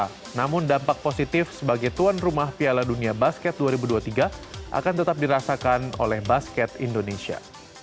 namun dampak positif sebagai tuan rumah piala dunia basket dua ribu dua puluh tiga akan tetap dirasakan oleh basket indonesia